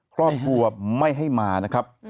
กล้องกลัวไม่ให้มานะครับ